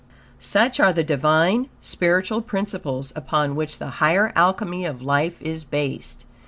Such are the Divine, spiritual principles upon which the higher Alchemy of life is based.